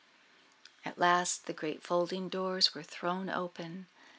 At last the great folding doors were thrown open.